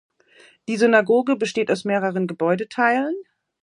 Die Synagoge besteht aus mehreren Gebäudeteilen.